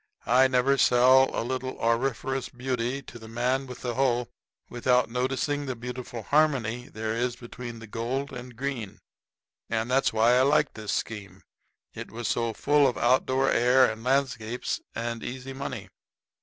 I never sell a little auriferous beauty to the man with the hoe without noticing the beautiful harmony there is between gold and green. And that's why I liked this scheme; it was so full of outdoor air and landscapes and easy money.